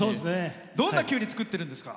どんなきゅうりを作ってるんですか？